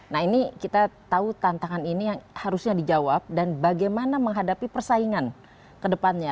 nah ini kita tahu tantangan ini yang harusnya dijawab dan bagaimana menghadapi persaingan ke depannya